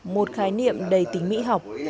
một khái niệm đầy tính mỹ học